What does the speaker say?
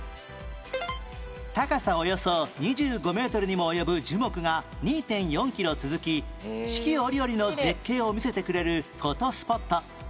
高さおよそ２５メートルにも及ぶ樹木が ２．４ キロ続き四季折々の絶景を見せてくれるフォトスポット